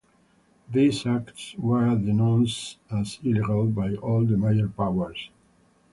These acts were denounced as illegal by all the major powers.